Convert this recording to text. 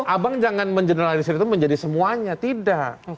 abang jangan mengeneralisir itu menjadi semuanya tidak